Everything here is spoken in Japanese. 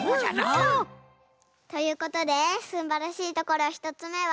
うんうん！ということですんばらしいところ１つめは。